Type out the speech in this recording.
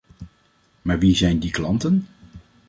Maar wie zijn die klanten?